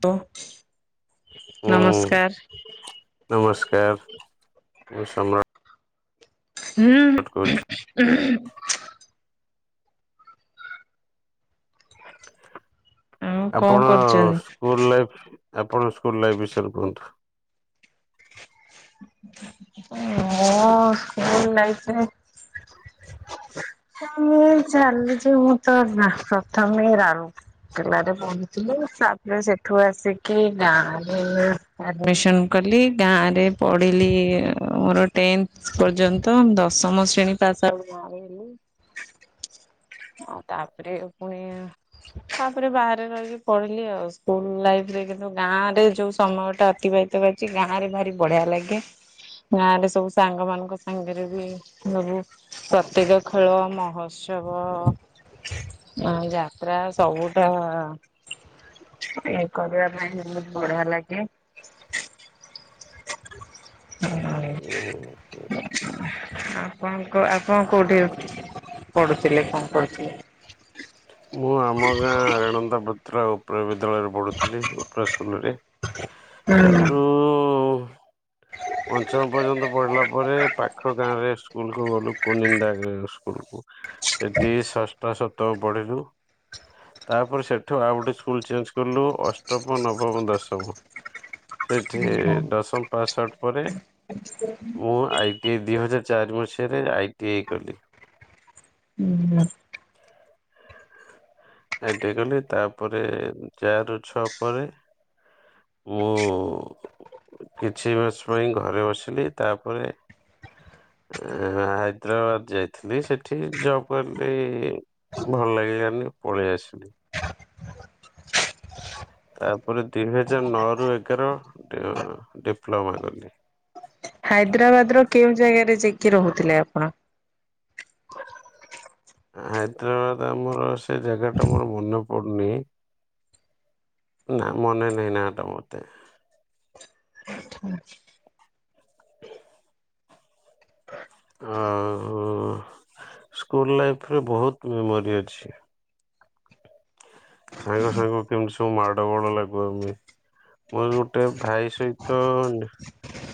ତ ହୁଁ ନମସ୍କାର ମୁଁ ସମ୍ରା ହୁଁ। ଆ ଆପଣ ସ୍କୁଲ୍ ଲାଇଫ୍ ଆପଣ ସ୍କୁଲ ଲାଇଫ୍ ବିଷୟରେ କୁହନ୍ତୁ। ଓ ଓ ସ୍କୁଲ୍ ଆଇଚି ରେ। ସେମି ଚାଲିଚି ମୁଁ ତ ନାଁ ପ୍ରଥମେ ରା କେଲାରେ ପଢ଼ୁଥିଲି ତାପରେ ସେଠୁ ଆସିକି ଗାଁରେ ଆଡମିସନ୍ କଲି ଗାଁରେ ପଢ଼ିଲି ମୋର ଟେନ୍ଥସ୍ ପର୍ଯ ନ୍ତ ଦଶମ ଶ୍ରେଣୀ ପାସ୍ ଆଉ ଗାଁରେ ହେଲି। ଆଉ ତାପରେ ପୁଣି ତାପରେ ବାହାରେ ରହିକି ପଢ଼ିଲି ଆଉ ସ୍କୁଲ୍ ଲାଇଫରେ କିନ୍ତୁ ଗାଁରେ ଯୋଉ ସମୟଟା ଅତିବାହି ତ କରିଚି ଗାଁରେ ଭାରି ବଢ଼ିଆ ଲାଗେ। ଗାଁରେ ସବୁ ସାଙ୍ଗମାନଙ୍କ ସାଙ୍ଗରେ ବି ସବୁ ପ୍ରତ୍ୟକ ଖେଳ ମହୋତ୍ସବ ଅଁ ଯାତ୍ରା ସବୁଠା ଇଏ କରିବା ପାଇଁ ବୋହୁତ ବଢ଼ିଆ ଲାଗେ। ଇ ଆପଣଙ୍କ ଆପଣ କୋଉଠି ପଢ଼ୁଥୁଲେ କଁ କରୁଥୁଲେ? ମୁଁ ଆମ ଗାଁ ରେଣନ୍ତା ପାତ୍ରା ଉପ୍ରା ବିଦ୍ୟାଳୟରେ ପଢ଼ୁଥିଲି ଉପ୍ରା ସ୍କୁଲରେ। ‌ ସେଠୁ ହୁଁ ପଞ୍ଚମ ପର୍ଯ୍ୟନ୍ତ ପଢି଼ଲା ପରେ ପାଖ ଗାଁରେ ସ୍କୁଲକୁ ଗଲୁ କୁନିନ୍ଦା ଗାଁ ସ୍କୁଲକୁ। ସେଠି ଷଷ୍ଠ ସପ୍ତମ ପଢିଲୁ। ତାପରେ ସେଠୁ ଆଉ ଗୋଟେ ସ୍କୁଲ ଚେଞ୍ଚ୍ କଲୁ ଅଷ୍ଟମ ନବମ ଦଶମ। ସେଠି ଦଶମ ପାସ ଆଉଟ୍ ପରେ ମୁଁ ଆଇ ଟି ଦି ହଜାର ଚାରି ମସିହାରେ ଆଇ ଟି ଆଇ କଲି। ଉଁ ର ଆଇ ଟି ଆଇ ଗଲି ତାପରେ ଯାର ଛୁଆ ପରେ ମୁଁ କିଛି ମାସ ପାଇଁ ଘରେ ବସିଲି ତାପରେ ହାଇଦ୍ରାବାଦ ଯାଇଥିଲି, ସେଠି ଜବ୍ କଲି। ଭଲ ଲାଗିଲାନି ପଳେଇ ଆସିଲି। ତାପରେ ଦୁଇ ହଜାର ନଅ ରୁ ଏଗାର ଡିପ୍ଲୋମା କଲି। ହାଇଦ୍ରାବାଦ ର କେଉଁ ଜାଗାରେ ଯାଇକି ରହୁଥିଲେ ଆପଣ? ହାଇଦ୍ରାବାଦ ଆମର ସେ ଜାଗା ଟା ମୋର ମନେ ପଡୁନି। ନା, ମନେ ନେଇ ନା ଟା ମୋତେ। [inaudible] ହଁ, ହୁଁ-ଉ, ସ୍କୁଲ ଲାଇଫ୍ ରେ ବହୁତ ମେମୋରି ଅଛି। ସାଙ୍ଗ ସାଙ୍ଗ କେମିତି ସବୁ ମାଡ଼ ଗୋଳ ଲାଗୁ ଆମେ। ମୋର ଗୋଟେ ଭାଇ ସହିତ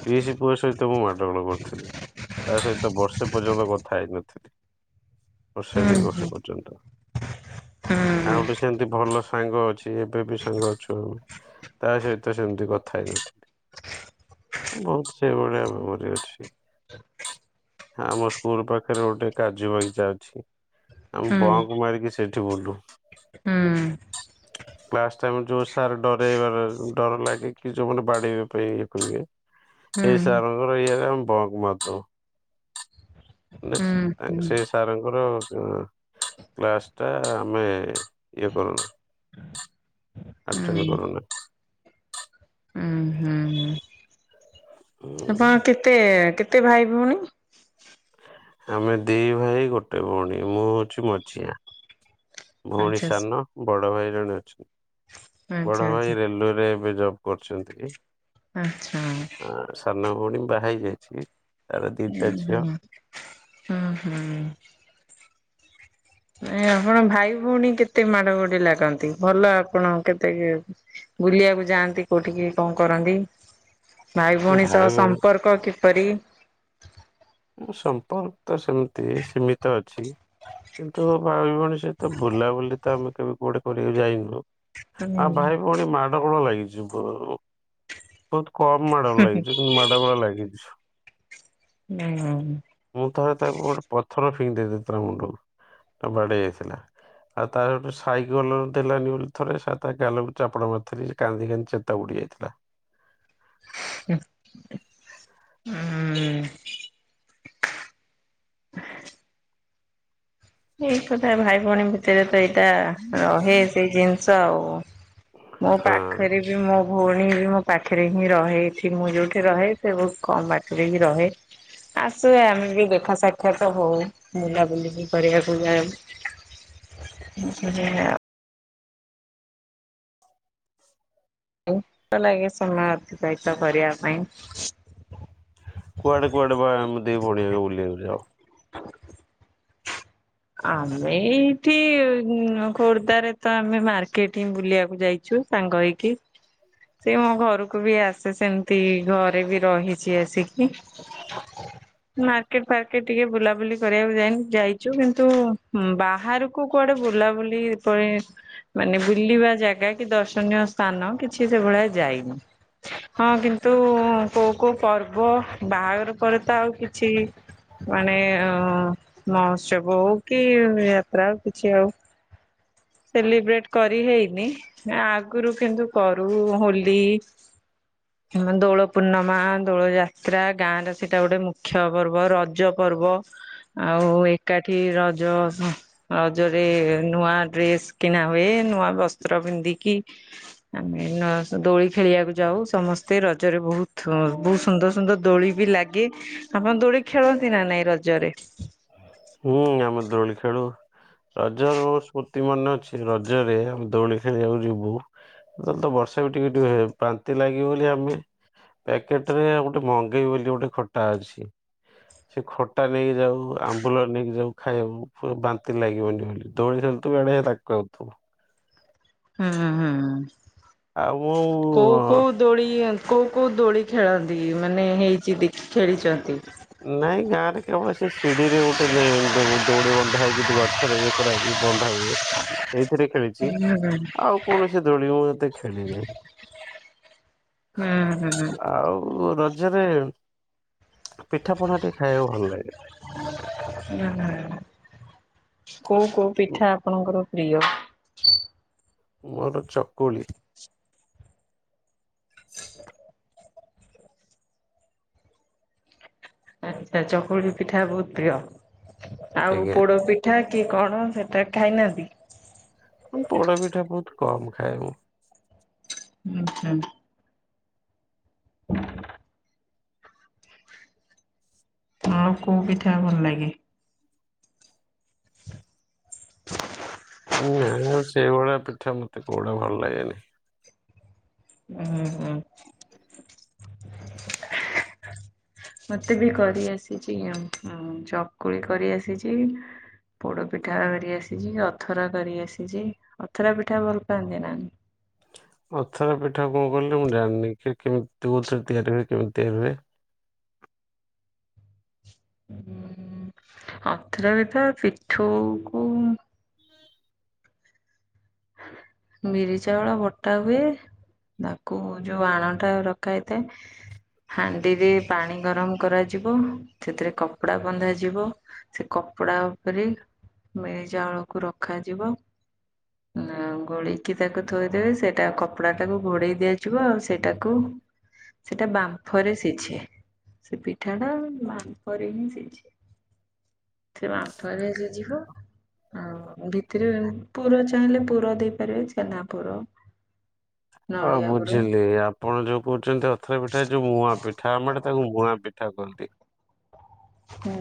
ପିଇସି ପୁଅ ସହିତ ମୁଁ ମାଡ଼ ଗୋଳ କରିଥିଲି। ତା ସହିତ ବର୍ଷେ ପର୍ଯ୍ୟନ୍ତ କଥା ହେଇନଥିଲି। ବର୍ଷେ, ହୁଁ ଦୁଇ ବର୍ଷ ପଯ୍ୟନ୍ତ ଆ ହୁଁ ଯେମିତି ଭଲ ସାଙ୍ଗ ଅଛି, ଏବେ ବି ସାଙ୍ଗ ଅଛୁ। ତା ସହିତ ସେମିତି କଥା ହେଇ ନଥିଲି। ବହୁତ ସେ ଭଳିଆ ମେମୋରି ଅଛି। ଆମ ସ୍କୁଲ ପାଖରେ ଗୋଟେ କାଜୁ ବଗିଚା ଅଛି। ଆମେ ବଙ୍କ୍‌ ମାରିକି ସେଇଠି ବୁଲୁ। ହୁଁ-ଉ-ଉ। କ୍ଲାସ୍‌ ଟାଇମ୍ ଯୋଉ ସାର୍ ଡରଇବାର, ଡର ଲାଗେ କି ଯୋଉମାନେ ବାଡ଼େଇବା ପାଇଁ ଇଏ କରିବେ। ହୁଁ ହୁଁ ସେଇ ସାର୍ ଙ୍କର ଇଆ ରେ ଆମେ ବଙ୍କ୍‌ ମାରୁଥୁବୁ। ତାଙ୍କ ହୁଁ ସେଇ ସାରଙ୍କର କ୍ଲାସ ଟା ଆମେ ଇଏ କରୁନୁ। ଆଟେନ୍‌ କରୁନା। ହୁଁ, ହୁଁ, ହୁଁ। ଆପଣ କେତେ, କେତେ ଭାଇ ଭଉଣୀ? ଆମେ ଦି ଭାଇ, ଗୋଟେ ଭଉଣୀ। ମୁଁ ହଉଛି ମଝିଆ। ଭଉଣୀ ଆଚ୍ଛା ସାନ, ବଡ ଭାଇ ଜଣେ ଅଛନ୍ତି। ଆଚ୍ଛା ବଡ ଭାଇ ଆଚ୍ଛା ରେଲୱେରେ ଏବେ ଜବ କରୁଛନ୍ତି କି? ଆଚ୍ଛା। ସାନ ଭଉଣୀ ବାହା ହେଇ ଯାଇଛି। ତାର ଦିଟା ହୁଁ, ଝିଅ। ହୁଁ, ହଁ, ହଁ। ନାଇଁ, ଆପଣ ଭାଇ-ଭଉଣୀ କେତେ ମାଡ଼ ଗୋଡ଼ି ଲାଗନ୍ତି, ଭଲ ଆପଣ କେତେ ବୁଲିବାକୁ ଯାଆନ୍ତି କୋଉଠିକି, କଣ କରନ୍ତି? ଭାଇ ଭଉଣୀ ସହ ସମ୍ପର୍କ କିପରି? ସମ୍ପର୍କ ତ ସେମିତି ସୀମିତ ଅଛି। କିନ୍ତୁ ଭାଇ-ଭଉଣୀ ସହିତ ବୁଲାବୁଲି, ତ ଆମେ କେବେ କୁଆଡେ କରିବାକୁ ଯାଇନୁ। ହଁ, ହୁଁ। ଭାଇ-ଭଉଣୀ ମାଡ଼ ଗୋଳ ଲାଗିଛୁ ପ୍ରବଳ। ବହୁତ କମ୍ ମାଡ଼ଗୋଳ ଲାଗିଛୁ, କିନ୍ତୁ ମାଡ଼ଗୋଳ ଲାଗିଛୁ। ହୁଁ। ମୁଁ ଥରେ ତାକୁ ଗୋଟେ ପଥର ଫିଙ୍ଗି ଦେଇ ଦେଇଥିଲି ତା ମୁଣ୍ଡକୁ, ବାଡେଇ ହେଇ ଯାଇଥିଲା। ଆଉ ତାର ଗୋଟେ ସାଇକଲ ଦେଲାନି ବୋଲି, ଥରେ ସା ତା ଗାଲ କୁ ଚାପଡ଼ା ମାରିଥିଲି। ସେ କାନ୍ଦି କାନ୍ଦି ଚେତା ଉଡ଼ି ଯାଇଥିଲା। [unintelligible] ହୁଁ। ହ। ଯେ ଏକତା ଭାଇ ଭଉଣୀ ଭିତରେ ତ ଏଇଟା ରହେ ସେଇ ଜିନିଷ ଆଉ। ମୋ ହଁ ପାଖରେ ମୋ ଭଉଣୀ ବି ମୋ ପାଖରେ ହିଁ ରହେ ଏଠି। ମୁଁ ଯୋଉଠି ରହେ ସେ ବହୁତ କମ ପାଖରେ ହିଁ ରହେ। ଆସେ ଆମେ ବି ଦେଖା ସାକ୍ଷାତ ହଉ। ବୁଲା ବୁଲି ବି କରିବାକୁ ଯାଉ। [unintelligible] [unintelligible] ସହିତ କରିବା ପାଇଁ। କୁଆଡେ କୁଆଡେ ବା ଏମିତି ପଳେଇବାକୁ ବୁଲେଇବୁଲି ଆଉ! ଆମେ ଏଇଠି ଖୋର୍ଦ୍ଧାରେ ତ ଆମେ ମାର୍କେଟ ହିଁ ବୁଲିବାକୁ ଯାଇଚ ଚୁ ସାଙ୍ଗ ହେଇକି। ସେ ମୋ ଘରକୁ ବି ଆସେ ସେମିତି। ଘରେ ବି ରହିଚି ଆସିକି। ମାର୍କେଟ ଫାର୍କେଟ ଟିକେ ବୁଲାବୁଲି କରିବାକୁ ଯାଇ ଯାଇଚୁ କିନ୍ତୁ ତୁ ବାହାରକୁ କୁଆଡେ ବୁଲାବୁଲି ପାଇଁ ମାନେ ବୁଲିବା ଜାଗା କି ଦର୍ଶନୀୟ ସ୍ଥାନ କିଛି ସେଗୁଡା ଯାଇନି। ହଁ କିନ୍ତୁ କୋଉ କୋଉ ପର୍ବ ବାହାଘର ପରେ ତ ଆଉ କିଛି ମାନେ ମହୋତ୍ସବ ହଉ କି ଯାତ୍ରା ଆଉ କିଛି ଆଉ ସେଲିବ୍ରେଟ କରି ହେଇନି। ଆ ଆଗରୁ କିନ୍ତୁ କରୁ ହୋଲି ଆମ ଦୋଳ ପୂର୍ଣମା, ଦୋଳ ଯାତ୍ରା, ଗାଁ ର ସେଇଟା ଗୋଟେ ମୁଖ୍ୟ ପର୍ବ ର ରଜ ପର୍ବ ଆଉ ଏକାଠି ରଜ ରଜରେ ନୂଆ ଡ୍ରେସ କିଣା ହୁଏ ନୂଆ ବସ୍ତ୍ର ପିନ୍ଧିକି ଆମେ ନସ ଦୋଳି ଖେଳିବାକୁ ଯାଉ ସମସ୍ତେ। ତେ ରଜରେ ବହୁତଥୁଆ ବହୁତ ସୁନ୍ଦର ସୁନ୍ଦର ଦୋଳି ବି ଲାଗେ। ଆପଣ ଦୋଳି ଖେଳନ୍ତି ନା ନାଇଁ ରଜରେ? ହୁଁ ଆମେ ଦୋଳି ଖେଳୁ। ରଜର ମୋ ସ୍ମୃତି ମନେ ଅଛି। ରଜରେ ଆମେ ଦୋଳି ଖେଳିବାକୁ ଯିବୁ। ତାହେଲେ ତ ବର୍ଷା ବି ଟିକେ ଟିକ ହୁଏ। ପାନ୍ ତି ଲାଗିବ ବୋଲି ଆମେ ପ୍ୟାକେଟରେ ଗୋଟେ ମଗେଇ ବୋଲି ଗୋଟେ ଖଟା ଅଛି। ସେ ଖଟା ନେଇକି ଯାଉ, ଆମ୍ବୁଲ ନେଇକି ଯାଉ ଖାଇବାକୁ ପ ବାନ୍ତି ଲାଗିବନି ବୋଲି। ଦୋଳି ସେମିତି ବାଡାଏ। ପାକୁ ଆଉଥୁ ହୁଁଁ ହୁଁ। ଆଉ ମୁଁ କୋଉ କୋଉ ଦୋଳି କୋଉ କୋଉ ଦୋଳି ଖେଳନ୍ତି ମାନେ ହେଇଚି ଦେଖି ଖେଳିଚନ୍ତି। ନାଇଁ ଗାଁ ରେ କେବଳ ସେ ସିଡିି ରେ ଗୋଟେ ଦେ ଦ-ଦଉଡି ବନ୍ଧା ହେଇକି ଗଛରେ ଇଏ କରାହକି ବନ୍ଧା ହୁଏ। ହଁ। ଏଇଥିରେ ଖେଳିଚି। ଆଉ କୌଣସି ଦୋଳିି ମୁଁ ଏତେ ଖେଳି ନାହିଁ। ହୁଁ। ଆଉ ରଜରେ ପିଠାପଣା ଟିକେ ଖାଇବାକୁ ଭଲ ଲାଗେ। ଉ ହୁଁ। କୋଉ କୋଉ ପିଠା ଆପଣଙ୍କର ପ୍ରିୟ? ମୋର ଚକୁଳି। ଆଚ୍ଛା ଚକୁଳି ବି ପିଠାରେ ବହୁତ ପ୍ରିୟ। ଆଉ ଆଜ୍ଞା ପୋଡ ପିଠ ଠା କି କଣ ସେଇଟା ଖାଇନାହାନ୍ତି-? ହଁ ପୋଡ ପିଠା ବହୁତ କମ ଖାଏ ମୁଁ। ଉ ହୁଁ। ହୁଁ। ମାଙ୍କୁ କୋଉ ପିଠା ଭଲ ଲାଗେ? [inaudible] ନଓ ସେଇଭଳିଆ ପିଠା ମତେ କଉଟା ଭଲ ଲାଗେନି। ଉ ହଁ ହୁଁ। [unintelligible] ମତେ ବି କରି ଆସିଚି ଚକୁଳି କରି ଆସିଚି। ପୋଡ ପିଠା କରି ଆସିଚି। ଅଥରା କରି ଆସିଚି। ଅଥରା ପିଠା ଭଲ ପାଆନ୍ତି ନାଁ? ଅଥରା ପିଠା କଣ କଲେ ମୁଁ ଜାଣିନି। କି କେମିତ ଥିବ? ତିଆରି ବି କେମିତି ହେଲେ ଉଁ ଅଥରା ପିଠା ପିଠୋଉକୁ ବିରି ଚାଉଳ ବଟା ହୁଏ। ତାକୁ ଯୋଉ ଆଣ ଟା ରଖା ହେଇଥାଏ। ହାଣ୍ଡିରେ ପାଣି ଗରମ୍ କରାଯିବ। ସେଥିରେ କପଡା ବନ୍ଧାଯିବ। ସେ କପଡା ଉପରେ ବିରି ଚାଉଳକୁ ରଖାଯିବ। ଉଁ ଗୋଳେଇକି ତାକୁ ଥୋଇଦେବେ। ସେଇଟା କପଡ଼ା ଟାକୁ ଘୋଡେଇ ଦିଆଯିବ ଆଉ ସେଇଟାକୁ ସେଟା ବାମ୍ଫରେ ସିଜେ। ସେ ପିଠା ଟା ବାମ୍ଫ ରେ ହି ସିଯେ। ଥିବ ଆଠୁଆରେ ଯିବ ଆଉ ଭି ଥିରେ ପୁର ଚାହିଁଲେ ପୁର ଦେଇପାରିବେ ଛେନା ପୁର। ହଁ ନଡ଼ିଆ ପୁର ବୁଝିଲି ଆପଣ ଯୋଉ କହଚନ୍ତି ଅଥର ପିଠା ଯୋଉ ମୁଆଁ ପି ଠା ଆମ ଆଡେ ତାକୁ ମୁଆଁ ପିଠା କହନ୍ତି। ହୁଁ।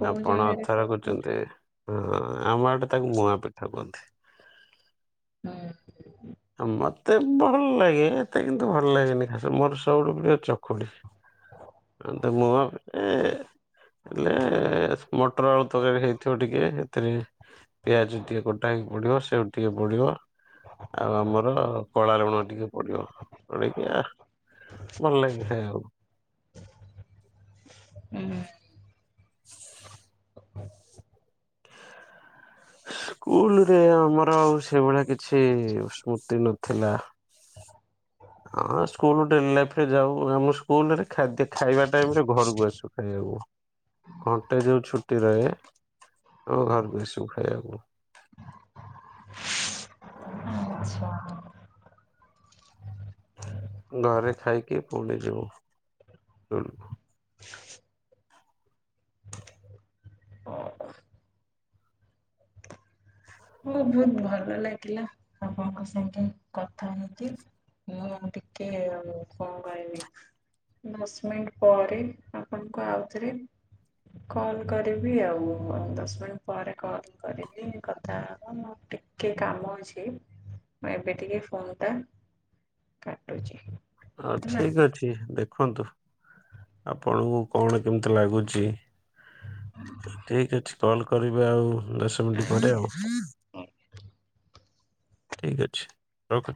କୋଉ ଆପଣ ଜାଗାରେ ଅଥର କୋଉ ହୁଁ କହୁଚନ୍ତି। ହଁ ଆମ ଆଡେ ତାକୁ ମୁଆଁ ପିଠା କୁହନ୍ତି। ହୁଁ। ମତେ ଭଲ୍ ଲାଗେ। ଏତେ କିନ୍ତୁ ଭଲ୍ ଲାଗେନି ଖାସ ମୋର୍ ସବୁଠୁ ପ୍ରିଅ ଚକୁଳି। ଆ ତ ମୋର୍ ଏ -ଏହେଲେ ମଟର ଆଳୁ ତରକାରୀ ହେଇଥିବ ଟିକ୍ କେ ଏଥିରେ ପିଆଜ ଟିକେ କଟା ହେଇକି ପଡିବ ସେଉ ଟିକେ ପଡିବ। ଆଉ ଆମର କଳା ଲୁଣ ଟିକେ ପଡିବ ପଡେଇକି ଆହ। ଭଲ୍ ଲାଗେନି ଖାଇବାକୁ। ହୁଁ। [unintelligible] ସ୍କୁଲ୍ ରେ ଆମର ଆଉ ସେଇଭଳିଆ କିଛି ସ୍ମୃତି ନଥିଲା। ହଁ ସ୍କୁଲୁ ଟେନ୍ଥ୍ ଲାଇଫରେ ଯାହା ହୁଏ, ଆମ ସ୍କୁଲ୍ ରେ ଖାଦ୍ୟ ଖାଇବା ଟାଇମ୍ ରେ ଘରକୁ ଆସୁ ଖାଇବାକୁ। ଘଣ୍ଟେ ଯୋଉଁ ଛୁଟି ରହେ ଆମେ ଘର୍ କୁ ଆସିବୁ ଖାଇବାକୁ। ଆଚ୍ଛା। [unintelligible] ଘରେ ଖାଇକି ପୁଣି ଯିବୁ ସ୍କୁଲକୁ। ମୁ ବହୁତ୍ ଭଲ ଲାଗିଲା ଆପଣଙ୍କ ସାଙ୍ଗେ କଥା ହେଇକି। ମୁଁ ଟିକେ ଏ ଆଉ କଣ କଇବି। ଦଶ ମିନିଟ୍ ପରେ ଆପଣଙ୍କୁ ଆଉଥରେ କଲ୍ କରିବି ଆଉ ଦଶ୍ ମିନିଟ୍ ପରେ କଲ୍ କରିବି କଥା ଆ ମୋର ଟିକେ କାମ ଅଛି ମୁଁ ଏବେ ଟିକେ ଫୋନ ଟା କାଟୁଚି। ହଁ ଠିକ୍ ଅଛି ଦେଖନ୍ତୁ ଆପଣଙ୍କୁ କଣ କେମିତି ଲାଗୁଚି? ଠିକ୍ ଅଛି କଲ୍ କରିବେ ଆଉ। ଦଶ ମିନିଟ୍ ପରେ ଆଜ୍ଞା ଆଉ ହଉ ଠିକ୍ ଅଛି ରଖୁଛି।